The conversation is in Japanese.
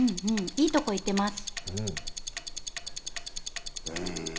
いいとこ行ってます。